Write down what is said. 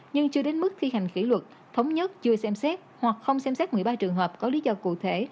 nhưng chưa đến mức thi hành kỷ luật thống nhất chưa xem xét hoặc không xem xét một mươi ba trường hợp có lý do cụ thể